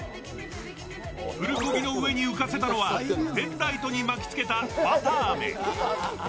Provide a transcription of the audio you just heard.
プルコギの上に浮かせたのはペンライトに巻き付けた綿あめ。